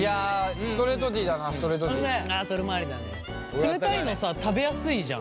冷たいのさ食べやすいじゃん。